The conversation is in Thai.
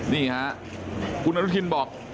นี่ฮะคุณอนุทินบอก